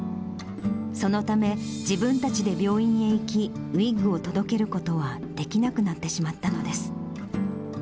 そのため、自分たちで病院に行き、ウイッグを届けることはできなくなってしまったのです。